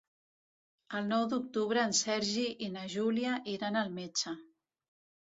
El nou d'octubre en Sergi i na Júlia iran al metge.